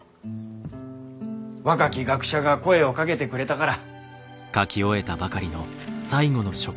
若き学者が声をかけてくれたから。